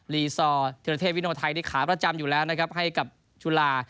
ลีซอร์ธิรเทพวิโนไทยนี่ขาประจำอยู่แล้วนะครับให้กับจุฬา